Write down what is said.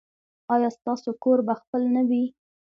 ایا ستاسو کور به خپل نه وي؟